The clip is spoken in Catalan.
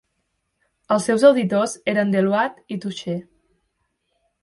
Els seus auditors eren Deloitte i Touche.